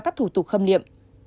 các thủ tục khâm liệm